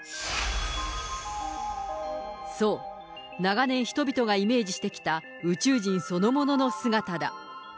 そう、長年、人々がイメージしてきた宇宙人そのものの姿だ。